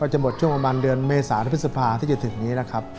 จะหมดช่วงประมาณเดือนเมษาและพฤษภาที่จะถึงนี้นะครับ